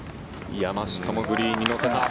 山下もグリーンに乗せた。